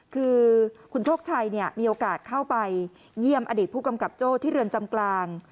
คือคุณโชคชัยมีโอกาสเข้าไปเยี่ยมอดีตผู้กำกับโจ้ที่เรือนจำกลาง